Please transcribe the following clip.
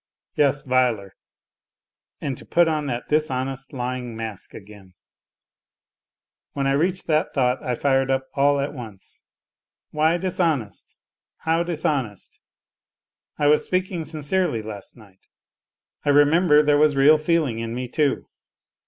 Yes, viler ! And to put on that dishonest lying mask again !"... When I reached that thought I fired up all at once. " Why dishonest ? How dishonest ? I was speaking sin cerely last night. I remember there was real feeling in me, too.